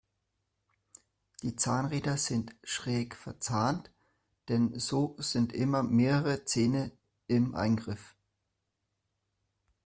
Die Zahnräder sind schräg verzahnt, denn so sind immer mehrere Zähne im Eingriff.